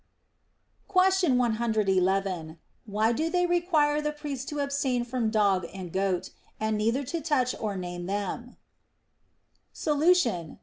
Question 111. Why do they require the priest to ab stain from a dog and a goat, and neither to touch or name them 1 Solution.